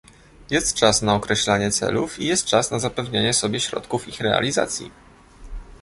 Jest czas na określanie celów i jest czas na zapewnianie sobie środków ich realizacji